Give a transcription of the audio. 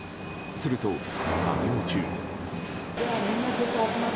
すると、作業中。